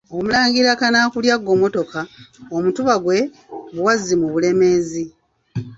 Omulangira Kanaakulya Ggomotoka, Omutuba gw'e Buwazzi mu Bulemeezi.